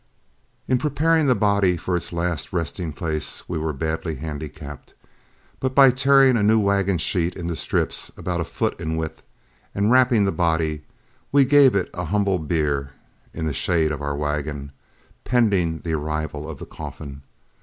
In preparing the body for its last resting place we were badly handicapped, but by tearing a new wagon sheet into strips about a foot in width and wrapping the body, we gave it a humble bier in the shade of our wagon, pending the arrival of the coffin.